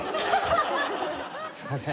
すいません。